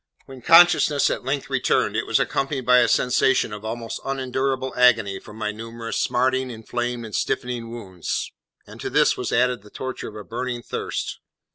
When consciousness at length returned, it was accompanied by a sensation of almost unendurable agony from my numerous smarting, inflamed, and stiffening wounds; and to this was added the torture of a burning thirst.